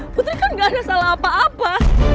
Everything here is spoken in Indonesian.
putri kan gak ada salah apa apa